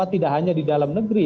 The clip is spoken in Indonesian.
tidak hanya di dalam negeri